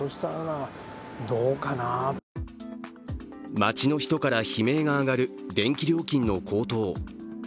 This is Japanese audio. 街の人から悲鳴が上がる電気料金の高騰。